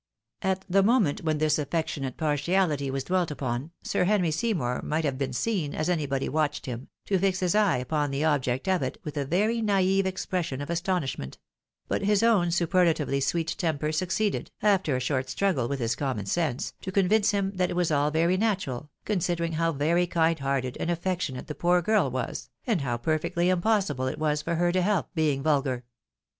At the moment when this affectionate partiahty was dwelt upon, Sir Henry Seymour might have been seen, had anybody watched him, to fix his eyes upon the object of it with a very naive expression of astonishment ; but his own superlatively sweet temper succeeded, after a short struggle with his common sense, to convince him that it was all very natural, considering how very kind hearted and affectionate the poor girl was, and how perfectly impossible it was for her to help being vulgar.